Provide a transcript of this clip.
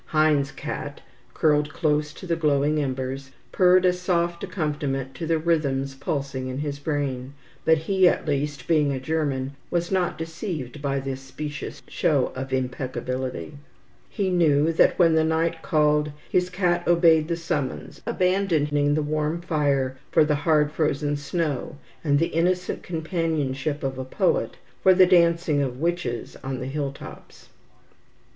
Heine's cat, curled close to the glowing embers, purred a soft accompaniment to the rhythms pulsing in his brain; but he at least, being a German, was not deceived by this specious show of impeccability. He knew that when the night called, his cat obeyed the summons, abandoning the warm fire for the hard frozen snow, and the innocent companionship of a poet for the dancing of witches on the hill tops.